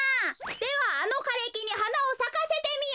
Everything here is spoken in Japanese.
「ではあのかれきにはなをさかせてみよ」。